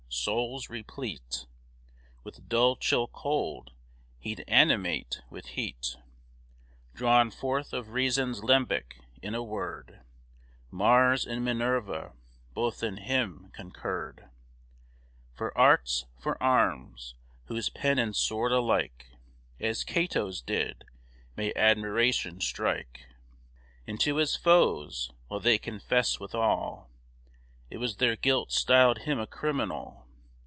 Souls replete With dull chill cold, he'd animate with heat Drawn forth of reason's limbec. In a word, Mars and Minerva both in him concurred For arts, for arms, whose pen and sword alike As Cato's did, may admiration strike Into his foes; while they confess withal It was their guilt styl'd him a criminal.